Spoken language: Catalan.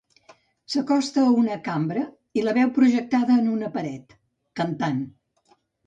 S'acosta a una cambra i la veu projectada en una paret, cantant.